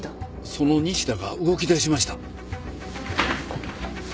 その西田が動きだしました。